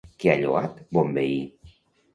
Què ha lloat Bonvehí?